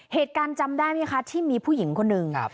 จำได้ไหมคะที่มีผู้หญิงคนหนึ่ง